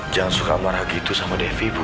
jangan suka marah gitu sama devi bu